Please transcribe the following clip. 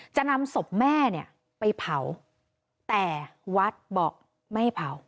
จะนำศพแม่เนี่ยไปเผาแต่วัดบอกไม่ให้เผา